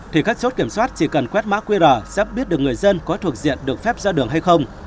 thì các chốt kiểm soát chỉ cần quét mã qr sắp biết được người dân có thuộc diện được phép ra đường hay không